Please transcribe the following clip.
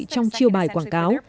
trong chiêu bài quảng cáo